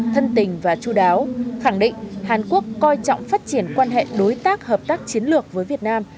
thân tình và chú đáo khẳng định hàn quốc coi trọng phát triển quan hệ đối tác hợp tác chiến lược với việt nam